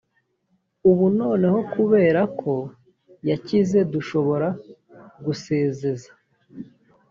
ubu noneho kubera ko yakize dushobora gusezeza